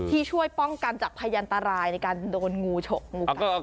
ที่ช่วยป้องกันจากพยันตรายในการโดนงูฉกงูกัด